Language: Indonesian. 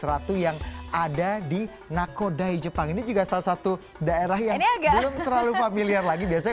ratu yang ada di nakodai jepang ini juga salah satu daerah yang belum terlalu familiar lagi biasanya